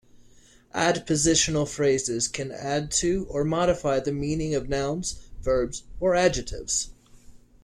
Adpositional phrases can add to or modify the meaning of nouns, verbs, or adjectives.